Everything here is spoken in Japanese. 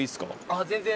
あっ全然。